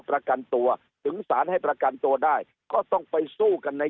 ประกันตัวถึงสารให้ประกันตัวได้ก็ต้องไปสู้กันใน